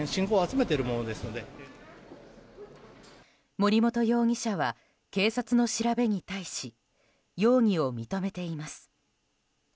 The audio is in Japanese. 森本容疑者は警察の調べに対し容疑を認めています。